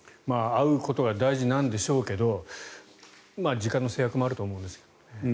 会うことが大事なんでしょうけど時間の制約もあると思うんです。